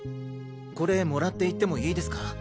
これもらっていってもいいですか？